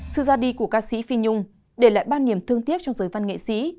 sư gia đi của ca sĩ phi nhung để lại ban niềm thương tiếc trong giới văn nghệ sĩ